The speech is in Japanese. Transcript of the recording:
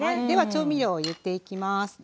では調味料を入れていきます。